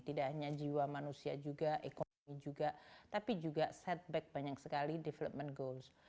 tidak hanya jiwa manusia juga ekonomi juga tapi juga setback banyak sekali development goals